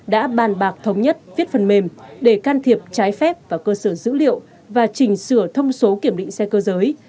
đã bàn bạc thống nhất viết phần mềm để can thiệp trái phép vào cơ sở dữ liệu và chỉnh sửa thông số kiểm định xe cơ giới